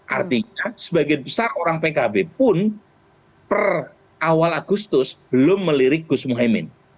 artinya sebagian besar orang pkb pun per awal agustus belum melirik gus mohaimin